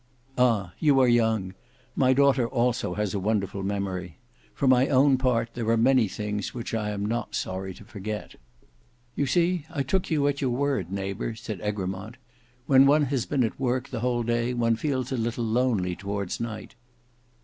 "Ah! you are young. My daughter also has a wonderful memory. For my own part, there are many things which I am not sorry to forget." "You see I took you at your word, neighbour," said Egremont. "When one has been at work the whole day one feels a little lonely towards night."